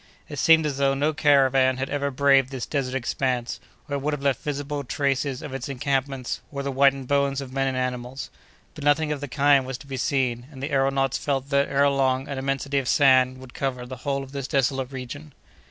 It seemed as though no caravan had ever braved this desert expanse, or it would have left visible traces of its encampments, or the whitened bones of men and animals. But nothing of the kind was to be seen, and the aëronauts felt that, ere long, an immensity of sand would cover the whole of this desolate region.